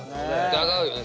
疑うよね